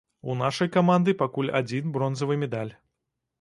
У нашай каманды пакуль адзін бронзавы медаль.